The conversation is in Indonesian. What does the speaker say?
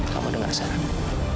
kamu dengar saranmu